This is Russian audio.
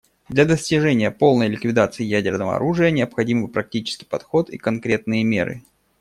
Для достижения полной ликвидации ядерного оружия необходимы практический подход и конкретные меры.